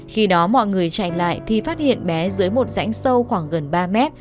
khi đó mọi người chạy lại thì phát hiện bé dưới một rãnh sâu khoảng gần ba mét